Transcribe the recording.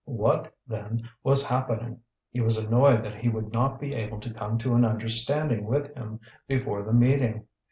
What, then, was happening? He was annoyed that he would not be able to come to an understanding with him before the meeting.